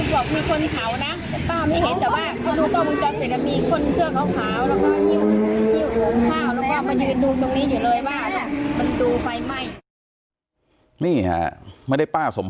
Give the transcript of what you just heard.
พ่อบอกว่าไฟไหม้ไฟไหม้ร้านจะไก่